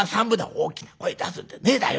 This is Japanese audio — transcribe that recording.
「大きな声出すんじゃねえだよ。